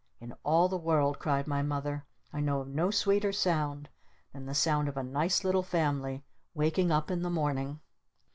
In all the world," cried my Mother, "I know of no sweeter sound than the sound of a nice little family waking up in the morning!"